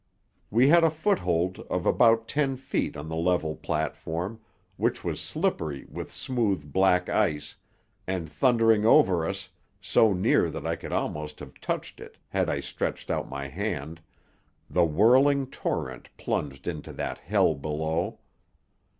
We had a foothold of about ten feet on the level platform, which was slippery with smooth, black ice, and thundering over us, so near that I could almost have touched it had I stretched out my hand, the whirling torrent plunged into that hell below.